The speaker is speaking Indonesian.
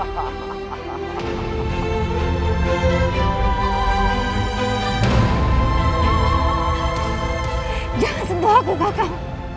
jangan sentuh aku kakak